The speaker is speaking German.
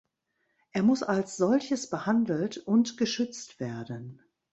Er muss als solches behandelt und geschützt werden.